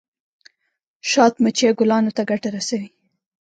شات مچۍ ګلانو ته ګټه رسوي